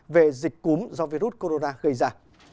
về dịch cúm do virus corona gây ra